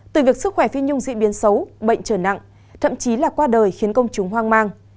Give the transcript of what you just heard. từ việc sức khỏe phi nhung diễn biến xấu bệnh trở nặng thậm chí là qua đời khiến công chúng hoang mang